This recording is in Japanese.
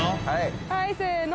はいせの。